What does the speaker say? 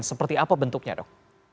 seperti apa bentuknya dok